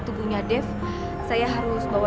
tubuhnya dev saya harus bawa